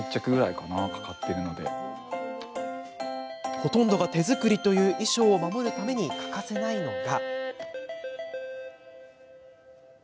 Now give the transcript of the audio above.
ほとんどが手作りという衣装を守るために欠かせないのが。